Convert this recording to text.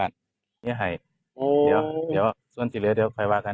นี่ไห่ส่วนที่เหลือเดี๋ยวค่อยว่ากัน